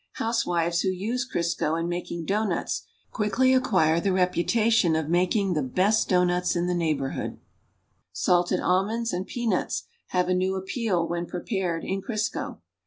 Housewives who u.se Crisco in making doughnuts rjuickly acquire the reputation of making "the best doughnuts in the neighborhood."" Salted almonds and peanuts have a new appeal when pre])ared in Crisco.